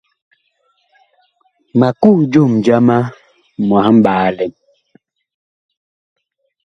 Ma kuh jom jama mwahɓaalɛn.